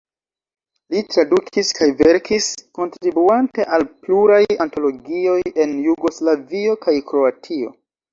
Li tradukis kaj verkis, kontribuante al pluraj antologioj en Jugoslavio kaj Kroatio.